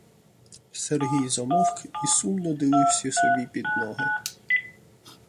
Сергій замовк і сумно дивився собі під ноги.